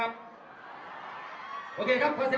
โปรดติดตามต่อไป